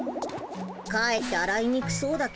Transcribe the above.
かえってあらいにくそうだけど。